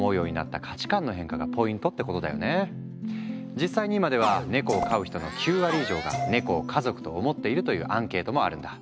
実際に今ではネコを飼う人の９割以上が「ネコを家族」と思っているというアンケートもあるんだ。